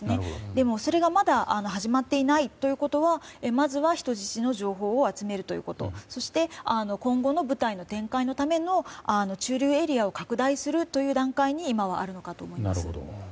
でも、それがまだ始まっていないということはまず人質の情報を集めることそして今後の部隊の展開のための駐留エリアを拡大するという段階に今はあるかと思います。